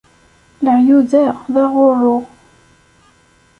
Leεyud-a, d aɣurru.